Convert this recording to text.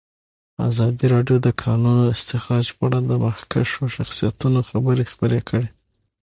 ازادي راډیو د د کانونو استخراج په اړه د مخکښو شخصیتونو خبرې خپرې کړي.